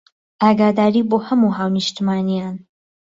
ئاگاداری بۆ هەموو هاونیشتمانیان